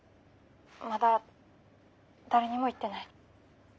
☎まだ誰にも言ってない。